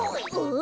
ん？